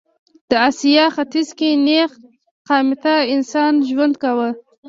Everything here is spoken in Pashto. د اسیا ختیځ کې نېغ قامته انسان ژوند کاوه.